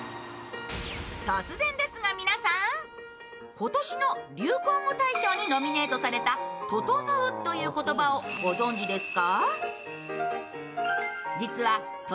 今年の流行語大賞にノミネートされた「ととのう」という言葉をご存じですか？